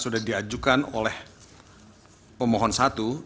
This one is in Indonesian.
sudah diajukan oleh pemohon satu